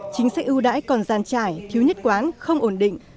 chính sách ưu đãi còn gian trải thiếu nhất quán không ổn định